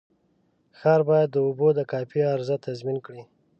ښار باید د اوبو د کافي عرضه تضمین کړي.